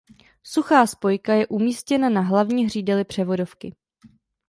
Suchá spojka je umístěna na hlavní hřídeli převodovky.